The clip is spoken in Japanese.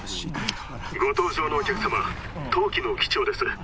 ご搭乗のお客様当機の機長です